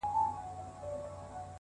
وخت د هر چا لپاره مساوي دی